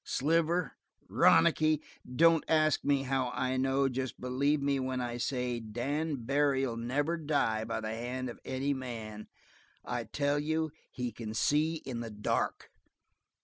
"Sliver Ronicky don't ask me how I know jest believe me when I say Dan Barry'll never die by the hand of any man. I tell you he can see in the dark!"